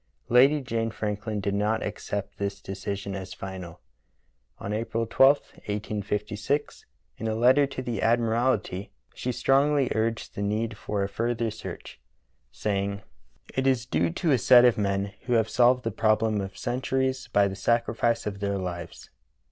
Lady Jane Franklin did not accept this decision as final. On April 12, 1856, in a letter to the admiralty, she strongly urged the need for a further search, saying: "It is due to a set of men who have solved the problem of centuries by the sacrifice of their lives."